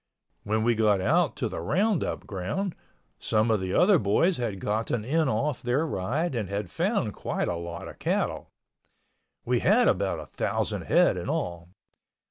When we got out to the roundup ground, some of the other boys had gotten in off their ride and had found quite a lot of cattle. We had about a thousand head in all.